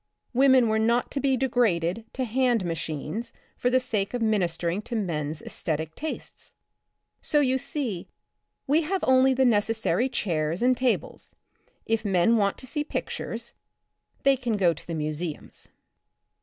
Women were not to be degraded to hand machines for the sake of ministering to men's aesthetic tastes. So you see we have only the necessarj'^ chairs and tables. If men want to see pictures thy can go to the museums.